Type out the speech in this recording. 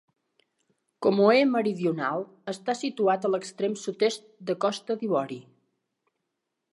Comoé Meridional està situat a l'extrem sud-est de Costa d'Ivori.